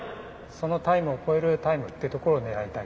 そのタイムを超えるタイムってところを狙いたいと思います。